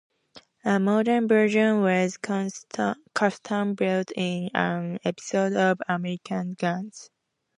A modern version was custom-built in an episode of "American Guns".